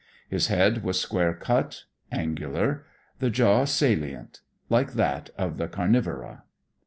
His head was square cut, angular; the jaw salient: like that of the carnivora.